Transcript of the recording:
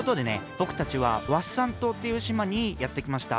ぼくたちはワッサン島っていう島にやってきました。